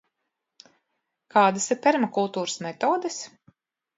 Kādas ir permakultūras metodes?